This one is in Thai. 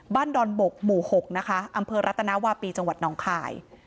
ดอนบกหมู่๖นะคะอำเภอรัตนาวาปีจังหวัดน้องคาย